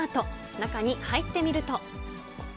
中に入ってみると。